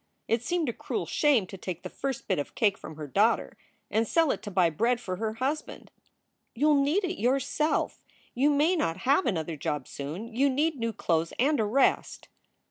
It seemed a cruel shame to take the first bit of cake from her daughter and sell it to buy bread for her husband. "You ll need it yourself. You may not have another job soon. You need new clothes and a rest."